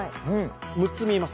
６つ見えます